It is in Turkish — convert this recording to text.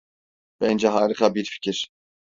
Bence harika bir fikir.